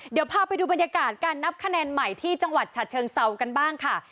เดี๋ยวพาไปดูบรรยากาศการนับคะแนนใหม่ที่จังหวัดฉะเชิงเซากันบ้างค่ะ